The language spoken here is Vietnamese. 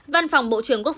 văn phòng bộ trưởng quốc tế